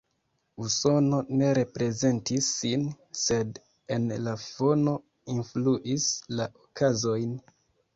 Usono ne reprezentis sin, sed en la fono influis la okazojn.